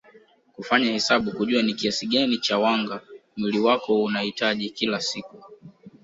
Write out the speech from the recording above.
Kufanya hesabu kujua ni kiasi gani cha wanga mwili wako unahitaji kila siku